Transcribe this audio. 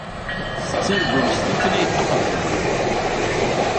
Tettargum s tutlayt taqbaylit.